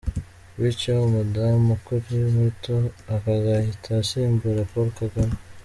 Bityo umudamu ukiri muto akazahita asimbura Paul Kagame !